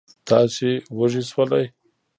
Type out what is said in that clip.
تاسې وږي شولئ.